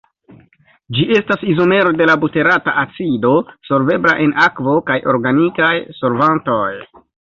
Ĝi estas izomero de la buterata acido, solvebla en akvo kaj organikaj solvantoj.